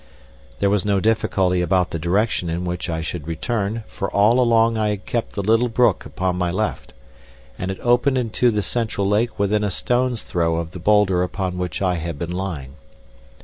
There was no difficulty about the direction in which I should return for all along I had kept the little brook upon my left, and it opened into the central lake within a stone's throw of the boulder upon which I had been lying.